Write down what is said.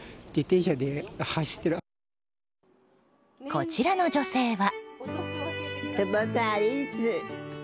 こちらの女性は。